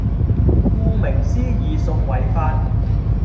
顧名思義屬違法